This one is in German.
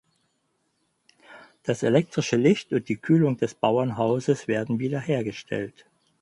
Das elektrische Licht und die Kühlung des Bauernhauses werden wiederhergestellt.